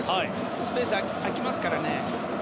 スペースが空きますからね。